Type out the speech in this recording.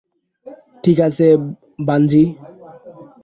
ঠিক আছে, বানজি।